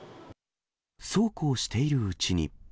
そうこうしているうちに。